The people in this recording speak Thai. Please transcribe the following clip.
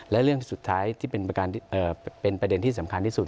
และเรื่องสุดท้ายที่เป็นประเด็นที่สำคัญที่สุด